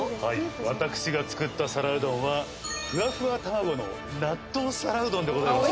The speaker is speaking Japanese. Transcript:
私が作った皿うどんはふわふわ卵の納豆皿うどんでございます